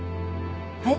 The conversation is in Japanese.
はい？